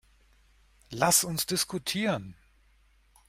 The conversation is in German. Lass uns diskutieren.